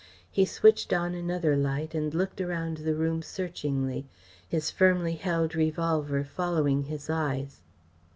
He switched on another light and looked round the room searchingly, his firmly held revolver following his eyes.